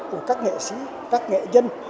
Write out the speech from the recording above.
của các nghệ sĩ các nghệ nhân